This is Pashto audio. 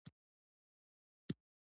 د ګوتې ورکول د یادګار نښه ده.